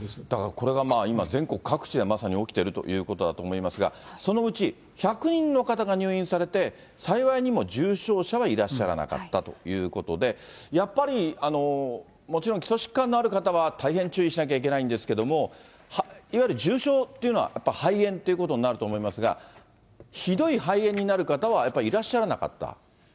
だからこれが今、全国各地でまさに起きているということだと思いますが、そのうち、１００人の方が入院されて、幸いにも重症者はいらっしゃらなかったということで、やっぱり、もちろん基礎疾患のある方は大変注意しなきゃいけないんですけども、いわゆる重症っていうのは、やっぱ肺炎ということになると思いますが、ひどい肺炎になる方はやっぱいらっしゃらなかった。